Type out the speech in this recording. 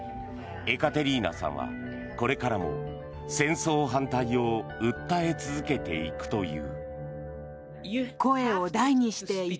エカテリーナさんはこれからも戦争反対を訴え続けていくという。